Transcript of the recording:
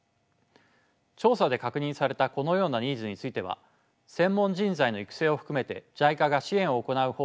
調査で確認されたこのようなニーズについては専門人材の育成を含めてＪＩＣＡが支援を行う方針を固めています。